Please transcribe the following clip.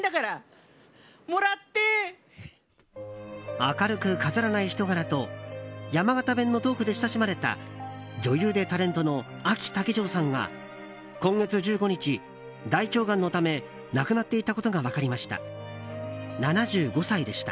明るく飾らない人柄と山形弁のトークで親しまれた女優でタレントのあき竹城さんが今月１５日大腸がんのため亡くなっていたことが分かりました。